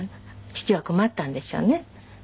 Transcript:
父は困ったんでしょうね。